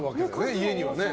家にはね。